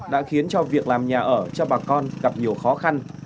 đã khiến cho việc làm nhà ở cho bà con gặp nhiều khó khăn